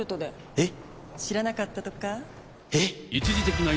えっ⁉